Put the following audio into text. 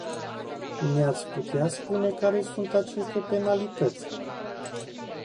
Ne-ați putea spune care sunt aceste penalități?